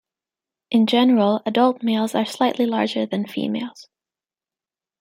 In general, adult males are slightly larger than females.